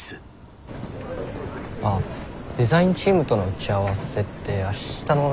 あっデザインチームとの打ち合わせって明日の何時だったっけ？